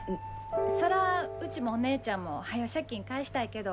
そらうちもお姉ちゃんもはよ借金返したいけど。